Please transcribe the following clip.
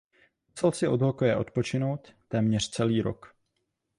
Musel si od hokeje odpočinout téměř celý rok.